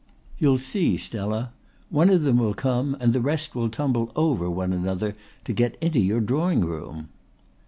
You'll see, Stella. One of them will come and the rest will tumble over one another to get into your drawing room."